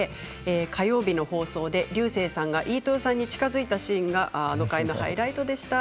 火曜日の放送で竜星さんが飯豊さんに近づいたシーンがハイライトでした。